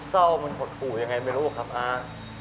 เศร้ามันหดหู่ยังไงไม่รู้ครับอา